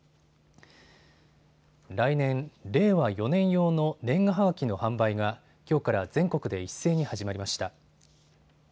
来年、令和４年用の年賀はがきの販売がきょうから全国で一斉に始まりました。